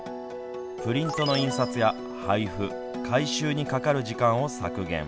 プリントの印刷や配布回収にかかる時間を削減。